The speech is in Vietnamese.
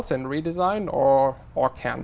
vấn đề về sản phẩm